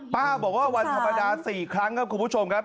ป้าบอกว่าวันธรรมดา๔ครั้งครับคุณผู้ชมครับ